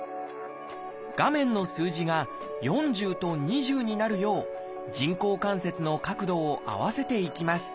画面の数字が４０と２０になるよう人工関節の角度を合わせていきます